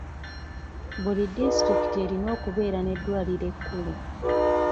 Buli disitulikiti erina okubeera n'eddwaliro ekkulu.